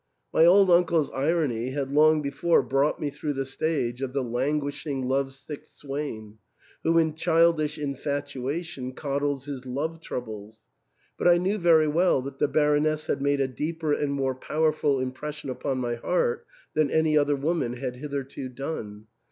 My old uncle's irony had long before brought me through the stage of the languishing love sick swain, who in childish infatuation coddles his love troubles ; but I knew very well that the Baroness had made a deeper and more powerful impression upon my heart than any other woman had hitherto done.